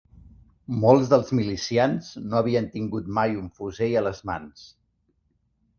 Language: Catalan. Molts dels milicians no havien tingut mai un fusell a les mans